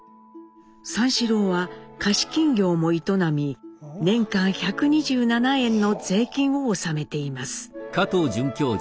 三四郎は貸金業も営み年間１２７円の税金を納めています。